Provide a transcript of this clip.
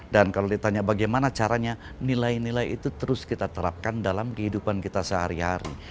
dan kalau ditanya bagaimana caranya nilai nilai itu terus kita terapkan dalam kehidupan kita sehari hari